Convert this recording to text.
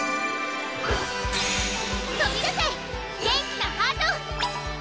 とびだせ元気なハート！